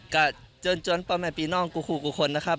กะเจินป้อมใหม่ปีน้องคลุกเป็นคนนะครับ